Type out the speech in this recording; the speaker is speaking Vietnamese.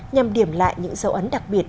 nhằm điểm lại những dấu ấn đặc biệt